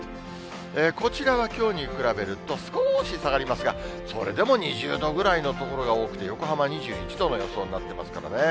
こちらはきょうに比べると少し下がりますが、それでも２０度ぐらいの所が多くて、横浜２１度の予想になってますからね。